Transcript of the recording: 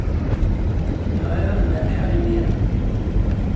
Bɣiɣ ad merrḥeɣ imir-a.